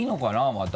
また。